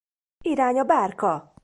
Irány a bárka!